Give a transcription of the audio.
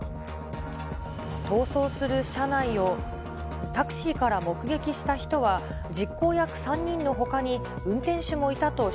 逃走する車内をタクシーから目撃した人は、実行役３人のほかに運